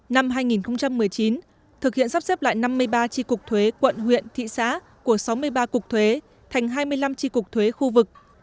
năm hai nghìn một mươi chín thực hiện sắp xếp lại năm mươi ba tri cục thuế quận huyện thị xã của sáu mươi ba cục thuế thành hai mươi năm tri cục thuế khu vực